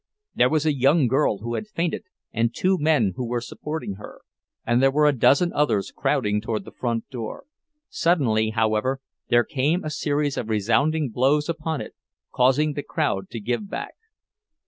There was a young girl who had fainted, and two men who were supporting her; and there were a dozen others crowding toward the front door. Suddenly, however, there came a series of resounding blows upon it, causing the crowd to give back.